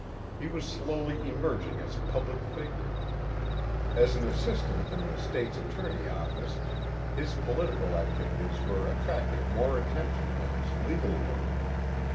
He was slowly emerging as a public figure. As an assistant in the state's attorney's office his political activities were attracting more attention than his legal work.